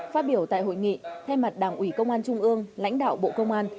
phát biểu tại hội nghị thay mặt đảng ủy công an trung ương lãnh đạo bộ công an